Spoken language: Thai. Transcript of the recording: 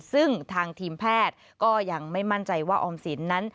ซึ่งทางทีมแพทย์ก็ยังไม่มั่นใจว่าออมสินนั้น